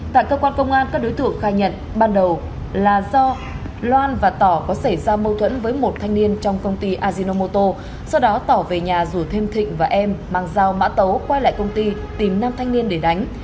tại cơ quan công an các đối tượng khai nhận ban đầu là do loan và tỏ có xảy ra mâu thuẫn với một thanh niên trong công ty azinomoto sau đó tỏ về nhà rủ thêm thịnh và em mang dao mã tấu quay lại công ty tìm nam thanh niên để đánh